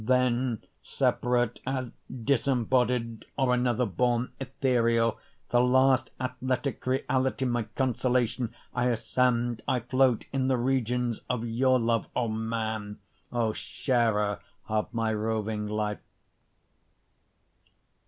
Then separate, as disembodied or another born, Ethereal, the last athletic reality, my consolation, I ascend, I float in the regions of your love O man, O sharer of my roving life.